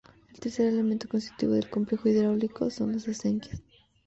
El tercer elemento constitutivo del complejo hidráulico son las acequias.